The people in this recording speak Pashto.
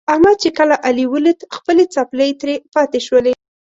احمد چې کله علي ولید خپلې څپلۍ ترې پاتې شولې.